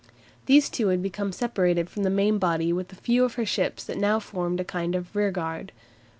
These two had become separated from the main body with a few of her ships that now formed a kind of rearguard.